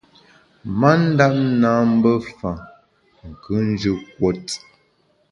Ma ndap nâ mbe fa, nkùnjù kuot.